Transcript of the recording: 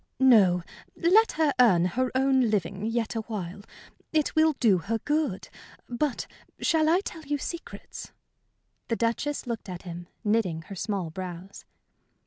"No, let her earn her own living yet awhile. It will do her good. But shall I tell you secrets?" The Duchess looked at him, knitting her small brows.